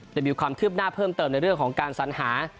จะมีความคืบหน้าเพิ่มเติมในเรื่องของการสัญหา